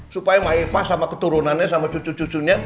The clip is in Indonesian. supaya maifah sama keturunannya sama cucu cucunya